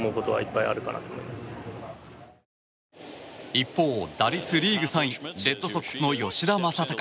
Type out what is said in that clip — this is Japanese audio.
一方、打率リーグ３位レッドソックスの吉田正尚。